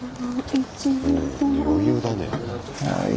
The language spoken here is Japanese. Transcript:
余裕だね。